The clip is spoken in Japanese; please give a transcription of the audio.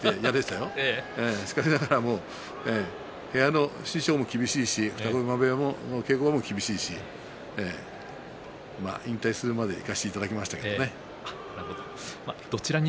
しかしながらも部屋の師匠の厳しい二子山部屋の稽古も厳しいし引退するまで行かせていただきましたけれどもね